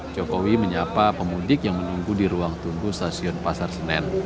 jokowi menyapa pemudik yang menunggu di ruang tunggu stasiun pasar senen